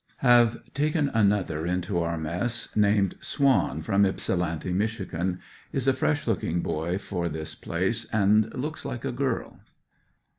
Have taken another into our mess, named Swan, from Ypsilanti, Michigan. Is a fresh looking boy for this place and looks like a girl.